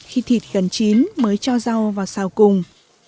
khi thịt gần chín mới cho rau vào xào cùng